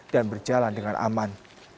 dan berjalan dengan aman